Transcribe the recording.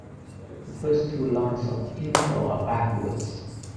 The first two lines of "Intro" are backwards.